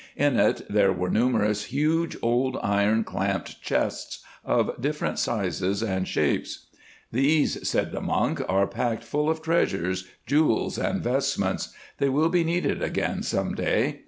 In it there were numerous huge old iron clamped chests of different sizes and shapes. "'These,' said the monk, 'are packed full of treasures, jewels, and vestments. They will be needed again some day.